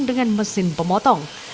dengan mesin pemotong